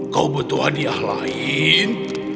kau butuh hadiah lain